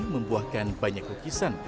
membuahkan banyak ukisan